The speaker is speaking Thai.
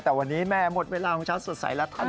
แต่วันนี้แม่หมดเวลาของเช้าสดใสแล้วทัน